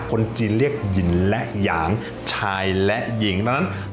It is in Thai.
คนจีนเรียกหญิงและหยางชายและหญิงนั้น